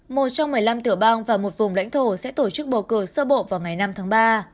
một trong một mươi năm tiểu bang và một vùng lãnh thổ sẽ tổ chức bầu cử sơ bộ vào ngày năm tháng ba